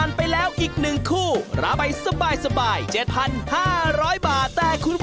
รับไอ้ครึ่งหนึ่ง๗๕๐๐บาท